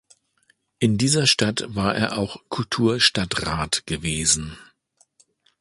In dieser Stadt war er auch Kulturstadtrat gewesen.